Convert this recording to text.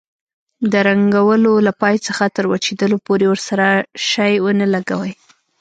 د رنګولو له پای څخه تر وچېدلو پورې ورسره شی ونه لګوئ.